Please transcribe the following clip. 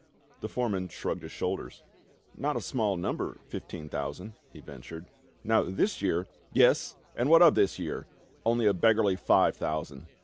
The foreman shrugged his shoulders, " Not a small number — fifteen thousand," he ventured. " Now this year —"" Yes, and what of this year? Only a beggarly five thousand